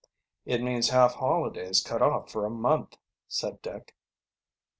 "It means half holidays cut off for a month," said Dick.